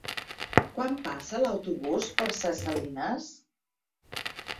Quan passa l'autobús per Ses Salines?